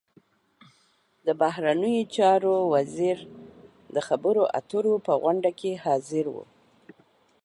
د بهرنیو چارو وزیر د خبرو اترو په غونډه کې حاضر و.